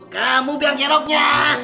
kamu yang enaknya